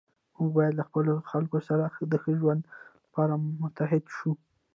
موږ باید له خپلو خلکو سره د ښه ژوند لپاره متحد شو.